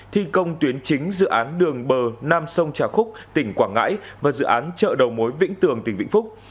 thi công tuyến chính dự án đường bờ nam sông trà khúc tỉnh quảng ngãi và dự án chợ đầu mối vĩnh tường tỉnh vĩnh phúc